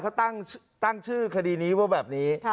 เขาตั้งชื่อคดีนี้ว่าแบบนี้